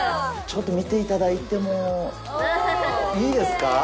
ちょっと見ていただいても、もちろん。